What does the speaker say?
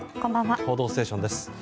「報道ステーション」です。